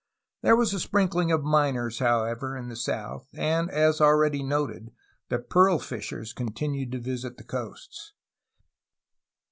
There was a sprinkling of miners, however, in the south, and, as already noted, the pearl fishers continued to visit the coasts.